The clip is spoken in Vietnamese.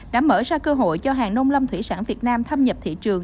đã mở ra cơ hội cho hàng nông lâm thủy sản việt nam thâm nhập thị trường